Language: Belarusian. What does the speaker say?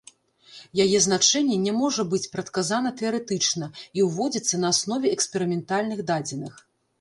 Яе значэнне не можа быць прадказана тэарэтычна і ўводзіцца на аснове эксперыментальных дадзеных.